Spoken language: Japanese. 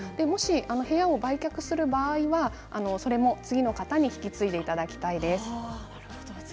お部屋を売却する場合にはそれも次の方に引き継いでいただきたいです。